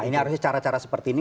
ini harusnya cara cara seperti ini